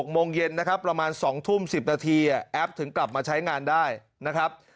โมงเย็นนะครับประมาณ๒ทุ่ม๑๐นาทีแอปถึงกลับมาใช้งานได้นะครับ